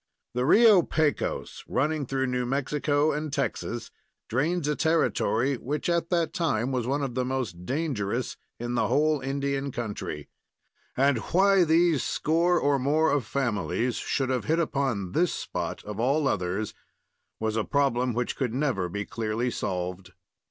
The Rio Pecos, running through New Mexico and Texas, drains a territory which at that time was one of the most dangerous in the whole Indian country; and why these score or more of families should have hit upon this spot of all others, was a problem which could never be clearly solved.